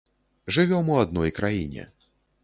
Жывём у адной краіне.